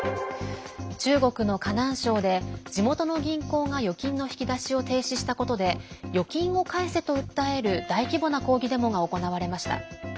中国の河南省で、地元の銀行が預金の引き出しを停止したことで預金を返せと訴える大規模な抗議デモが行われました。